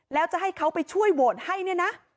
แล้วจะให้เขาไปช่วยโหวตให้เนี่ยนะ